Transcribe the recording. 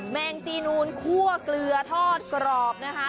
แมงจีนูนคั่วเกลือทอดกรอบนะคะ